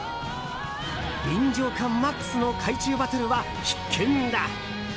臨場感マックスの海中バトルは必見だ。